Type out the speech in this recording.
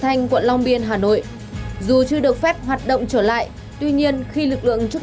thanh quận long biên hà nội dù chưa được phép hoạt động trở lại tuy nhiên khi lực lượng chức